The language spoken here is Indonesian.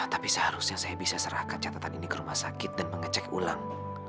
tapi seharusnya saya bisa serahkan catatan ini ke rumah sakit dan mengecek ulang